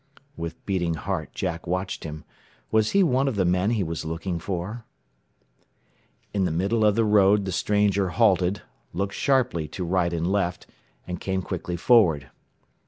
With beating heart Jack watched him. Was he one of the men he was looking for? In the middle of the road the stranger halted, looked sharply to right and left, and came quickly forward.